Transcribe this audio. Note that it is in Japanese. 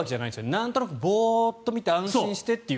なんとなくボーッと見て安心してという。